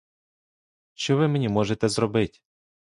Що ви мені можете зробить?